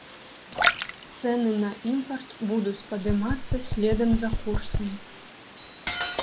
Цэны на імпарт будуць падымацца следам за курсам.